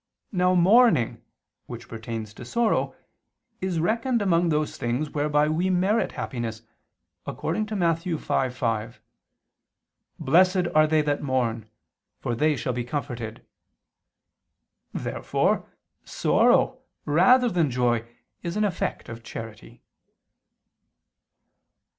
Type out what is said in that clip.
Now mourning, which pertains to sorrow, is reckoned among those things whereby we merit happiness, according to Matt. 5:5: "Blessed are they that mourn, for they shall be comforted." Therefore sorrow, rather than joy, is an effect of charity.